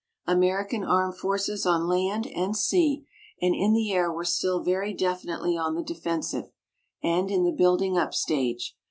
American armed forces on land and sea and in the air were still very definitely on the defensive, and in the building up stage.